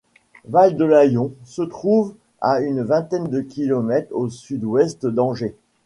Val-du-Layon se trouve à une vingtaine de kilomètres au sud-ouest d'Angers.